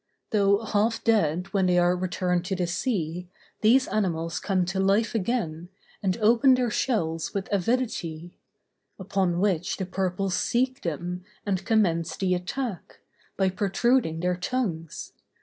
Though half dead when they are returned to the sea, these animals come to life again, and open their shells with avidity; upon which the purples seek them, and commence the attack, by protruding their tongues.